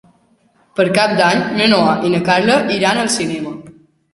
Per Cap d'Any na Noa i na Carla iran al cinema.